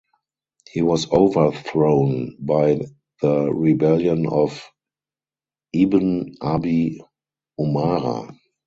He was overthrown by the rebellion of Ibn Abi Umara.